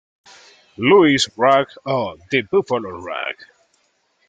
Louis Rag," o "The Buffalo Rag".